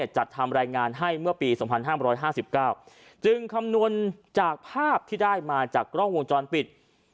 จัดทำรายงานให้เมื่อปี๒๕๕๙จึงคำนวณจากภาพที่ได้มาจากกล้องวงจรปิด